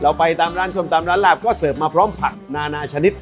ไปตามร้านส้มตำร้านลาบก็เสิร์ฟมาพร้อมผักนานาชนิด